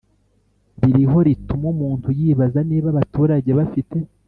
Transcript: ririho rituma umuntu yibaza niba abaturage bafite